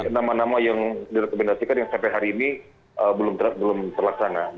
nama nama yang direkomendasikan yang sampai hari ini belum terlaksana